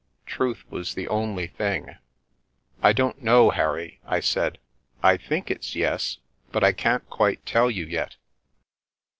Truth was the only thing. " I don't know, Harry,'* I said. " I think it's ' yes/ but I can't quite tell you yet."